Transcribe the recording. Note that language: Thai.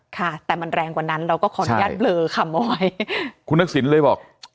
ค่ะแต่มันแรงกว่านั้นเราก็ของญาติเบลอขมอยคุณนักศิลป์เลยบอก